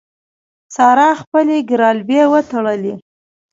سارا خپلې ګرالبې وتړلې.